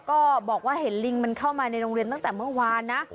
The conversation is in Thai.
ก็บอกว่าเห็นลิงมันเข้ามาในโรงเรียนตั้งแต่เมื่อวานนะ